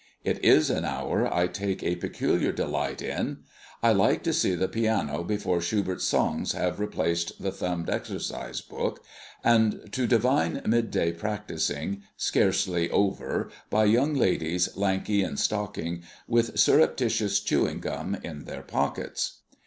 It is an hour I take a peculiar delight in. I like to see the piano before Schubert's songs have replaced the thumbed exercise book, and to divine midday practisings, scarcely over, by young ladies lanky in stocking, with surreptitious chewing gum in their pockets.